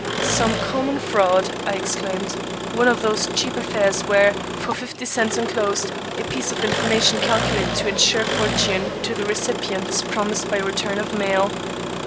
"Some common fraud," I exclaimed. "One of those cheap affairs where, for fifty cents enclosed, a piece of information calculated to insure fortune to the recipient is promised by return of mail."